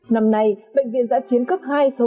năm nay bệnh viện giã chiến cấp hai số năm